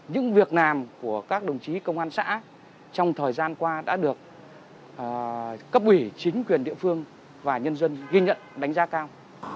những việc làm của các đồng chí công an xã trong thời gian qua đã được cấp ủy chính quyền địa phương và nhân dân ghi nhận đánh giá cao